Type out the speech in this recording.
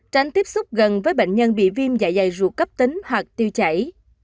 bốn tránh tiếp xúc gần với bệnh nhân bị viêm dạy dày ruột cấp tính hoặc tiêu chảy